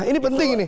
ini penting ini